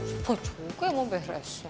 supa juga ya mau beresin